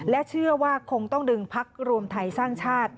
และเชื่อว่าคงต้องดึงพักรวมไทยสร้างชาติ